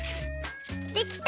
できた！